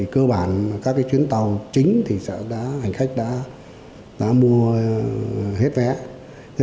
cơ bản các chuyến tàu chính thì hành khách đã mua hết vé